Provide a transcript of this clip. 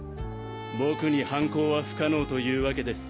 僕に犯行は不可能というわけです。